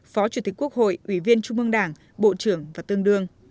phó chủ tịch quốc hội ủy viên trung ương đảng bộ trưởng và tương đương